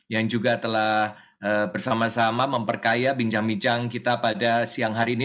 yang juga telah bersama sama memperkaya bincang bincang kita pada siang hari ini